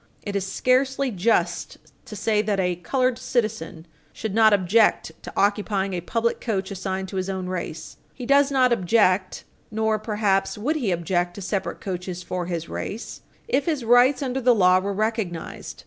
It is scarcely just to say that a colored citizen should not object to occupying a public coach assigned to his own race. He does not object, nor, perhaps, would he object to separate coaches for his race if his rights under the law were recognized.